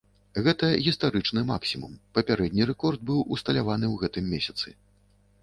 Гэта гістарычны максімум, папярэдні рэкорд быў усталяваны ў гэтым месяцы.